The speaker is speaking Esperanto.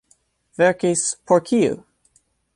Verkis por kiu?